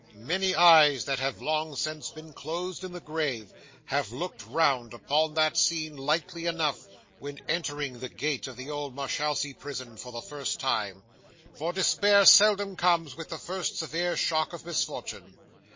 'Many eyes, that have long since been closed in the grave, have looked round upon that scene lightly enough, when entering the gate of the old Marshalsea Prison for the first time; for despair seldom comes with the first severe shock of misfortune.